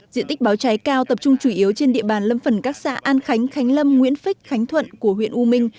diện tích báo cháy cao tập trung chủ yếu trên địa bàn lâm phần các xã an khánh khánh lâm nguyễn phích khánh thuận của huyện u minh